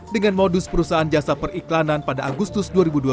dengan modus perusahaan jasa periklanan pada agustus dua ribu dua puluh